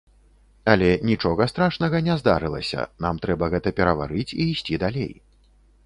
Але нічога страшнага не здарылася, нам трэба гэта пераварыць і ісці далей.